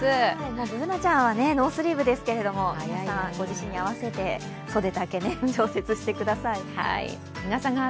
Ｂｏｏｎａちゃんはノースリーブですけど、皆さん、ご自身に合わせて袖丈、調節してください。